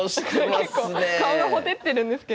結構顔がほてってるんですけど。